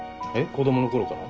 子供のころから？